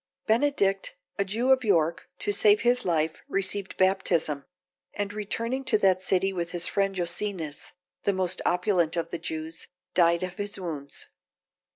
Benedict, a Jew of York, to save his life, received baptism; and returning to that city, with his friend Jocenus, the most opulent of the Jews, died of his wounds.